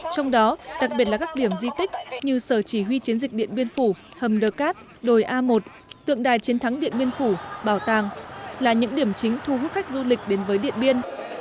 trong đó đặc biệt là các điểm di tích như sở chỉ huy chiến dịch điện biên phủ hầm đờ cát đồi a một tượng đài chiến thắng điện biên phủ bảo tàng là những điểm chính thu hút khách du lịch đến với điện biên